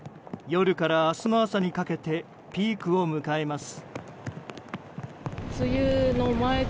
夜から明日の朝にかけてピークを迎えます。